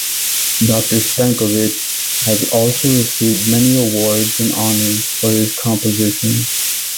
Doctor Stankovych has also received many awards and honours for his compositions.